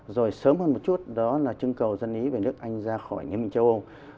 rồi sớm hơn một chút đó là trưng cầu dân ý về nước anh ra khỏi liên minh châu âu